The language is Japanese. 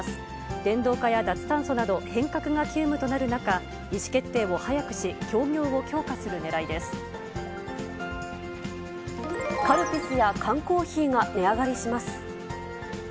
電動化や脱炭素など、変革が急務となる中、意思決定を早くし、カルピスや缶コーヒーが値上がりします。